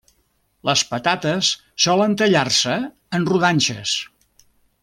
Les patates solen tallar-se en rodanxes.